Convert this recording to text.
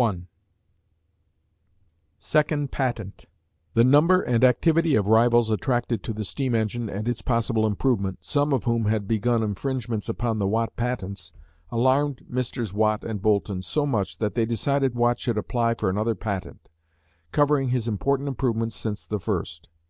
CHAPTER VII SECOND PATENT The number and activity of rivals attracted to the steam engine and its possible improvement, some of whom had begun infringements upon the Watt patents, alarmed Messrs. Watt and Boulton so much that they decided Watt should apply for another patent, covering his important improvements since the first.